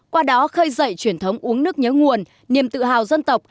qua đó khơi dậy truyền thống uống nước nhớ nguồn niềm tự hào dân tộc